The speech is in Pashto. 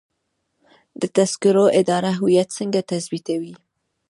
د تذکرو اداره هویت څنګه تثبیتوي؟